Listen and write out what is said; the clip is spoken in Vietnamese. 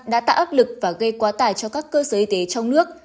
đã tạo áp lực và gây quá tải cho các cơ sở y tế trong nước